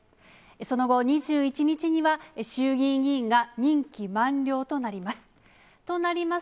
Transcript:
その後２１日には、衆議院議員が任期満了となります。